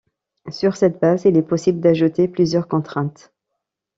Sur cette base, il est possible d'ajouter plusieurs contraintes.